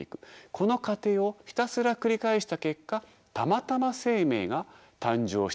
この過程をひたすら繰り返した結果たまたま生命が誕生しただけです。